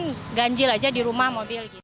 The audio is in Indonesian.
ganjil aja di rumah mobil